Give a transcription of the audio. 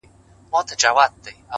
هر منزل د ژمنتیا غوښتنه کوي.